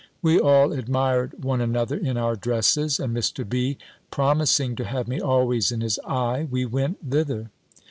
We all admired one another in our dresses; and Mr. B. promising to have me always in his eye, we went thither.